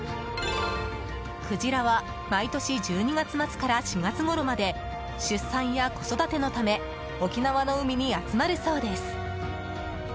クジラは毎年１２月末から４月ごろまで出産や子育てのため沖縄の海に集まるそうです。